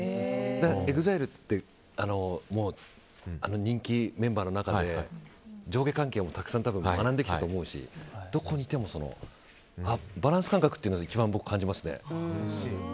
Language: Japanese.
ＥＸＩＬＥというあの人気メンバーの中で上下関係もたくさん学んできたと思うしどこにいてもバランス感覚っていうのを一番、僕感じますね。